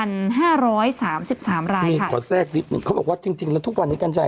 มีขอแทรกนิดหนึ่งเขาบอกว่าจริงจริงแล้วทุกวันนี้กัญชัย